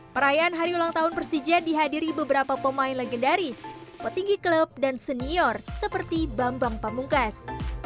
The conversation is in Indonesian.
perayaan hari ulang tahun persija dihadiri beberapa pemain legendaris petinggi klub dan senior seperti bambang pamungkas